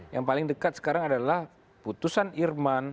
yang paling dekat sekarang adalah putusan irman